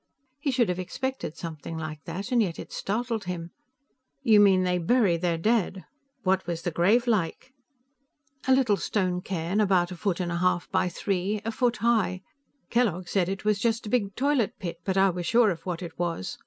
He should have expected something like that, and yet it startled him. "You mean, they bury their dead? What was the grave like?" "A little stone cairn, about a foot and a half by three, a foot high. Kellogg said it was just a big toilet pit, but I was sure of what it was.